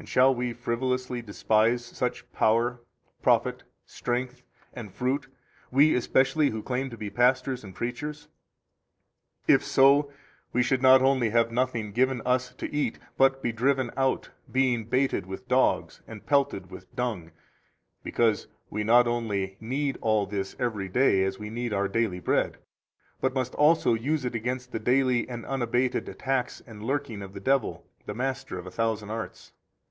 13 And shall we frivolously despise such power, profit, strength, and fruit we, especially, who claim to be pastors and preachers? If so, we should not only have nothing given us to eat, but be driven out, being baited with dogs, and pelted with dung, because we not only need all this every day as we need our daily bread, but must also daily use it against the daily and unabated attacks and lurking of the devil, the master of a thousand arts.